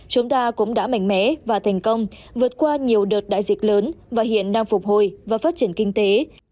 chúng ta cũng đã mạnh mẽ và thành công vượt qua nhiều đợt đại dịch lớn và hiện đang phục hồi và phát triển kinh tế